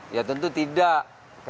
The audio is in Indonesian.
ya tentu tidak